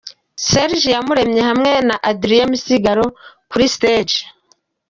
Serge Iyamuremye hamwe na Adrien Misigaro kuri stage.